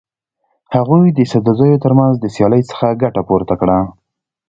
هغوی د سدوزیو تر منځ د سیالۍ څخه ګټه پورته کړه.